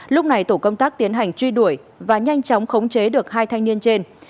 lúc này tổ công tác tiến hành truy đuổi và nhanh chóng khống chế được hai thanh niên trên